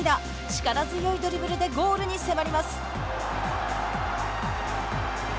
力強いドリブルでゴールに迫ります。